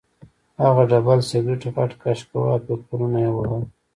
هغه ډبل سګرټ غټ کش کاوه او فکرونه یې وهل